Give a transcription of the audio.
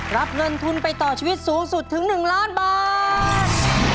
รับเงินทุนไปต่อชีวิตสูงสุดถึง๑ล้านบาท